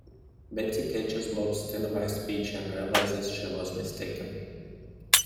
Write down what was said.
Betty catches Bob's televised pitch and realizes she was mistaken.